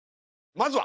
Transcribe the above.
まずは。